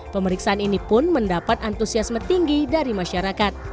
pemeriksaan ini pun mendapat antusiasme tinggi dari masyarakat